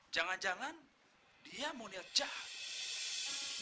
jangan jangan dia mau lihat jahat